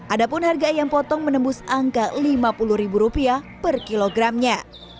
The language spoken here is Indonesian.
ada pun harga ayam potong menembus angka rp lima puluh per kilogramnya